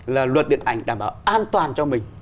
là luật điện ảnh đảm bảo an toàn cho mình